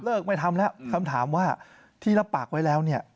ไม่ทำแล้วคำถามว่าที่รับปากไว้แล้วเนี่ย